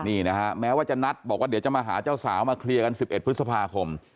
นี่นะฮะแม้ว่าจะนัดบอกว่าเดี๋ยวจะมาหาเจ้าสาวมาเคลียร์กัน๑๑พฤษภาคม